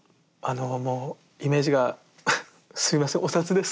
もうイメージがすいませんお札です。